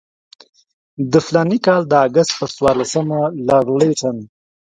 د فلاني کال د اګست پر څوارلسمه لارډ لیټن.